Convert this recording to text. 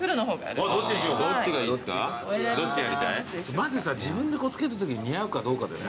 まずさ自分で着けたときに似合うかどうかだよね。